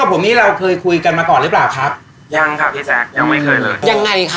รถโฟคกับผมนี่เราเคยคุยกันมาก่อนหรือเปล่าครับยังค่ะพี่แจ๊กยังไม่เคยเลิก